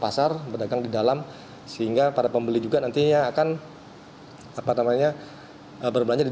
pasar berdagang di dalam sehingga para pembeli juga nantinya akan apa namanya berbelanja di